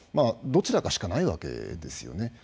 どちらかしかないわけですよね。